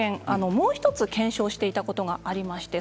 もう１つ検証したことがありまして